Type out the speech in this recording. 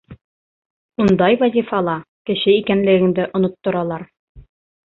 Ундай вазифала кеше икәнлегеңде онотторалар.